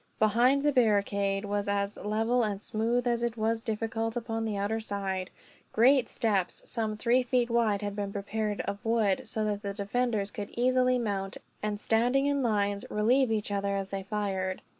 Behind, the barricade was as level and smooth as it was difficult upon the outer side. Great steps, some three feet wide, had been prepared of wood; so that the defenders could easily mount and, standing in lines, relieve each other as they fired.